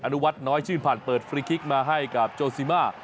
นุวัฒนน้อยชื่นผ่านเปิดฟรีคลิกมาให้กับโจซิมา